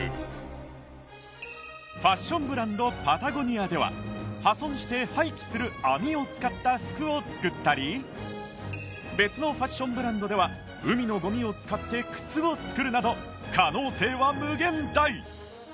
ファッションブランドパタゴニアでは破損して廃棄する網を使った服を作ったり別のファッションブランドでは海のゴミを使って靴を作るなど可能性は無限大！